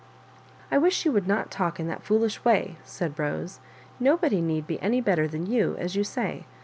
I wish you would not talk in that foolish way," said Bose; "nobody need be any better than you, as you say.